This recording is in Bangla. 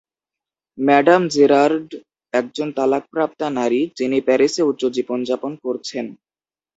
ম্যাডাম জেরার্ড একজন তালাকপ্রাপ্তা নারী, যিনি প্যারিসে উচ্চ জীবন যাপন করছেন।